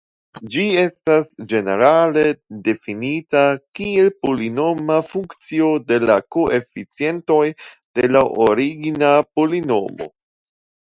Ĝi estas ĝenerale difinita kiel polinoma funkcio de la koeficientoj de la origina polinomo.